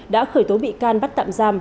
đã khởi tố bị can bắt tạm giam